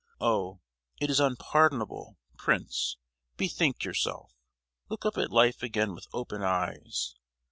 Oh, it is unpardonable! Prince, bethink yourself. Look up at life again with open eyes.